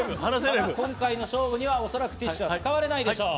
今回の勝負にはおそらくティッシュは使われないでしょう。